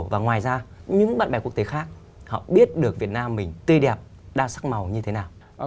và ngoài ra những bạn bè quốc tế khác họ biết được việt nam mình tươi đẹp đa sắc màu như thế nào